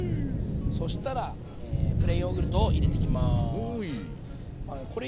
そしたらプレーンヨーグルトを入れていきます。